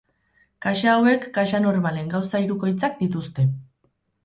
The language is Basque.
Kaxa hauek kaxa normalen gauza hirukoitzak dituzte.